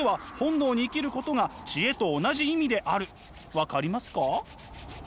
分かりますか？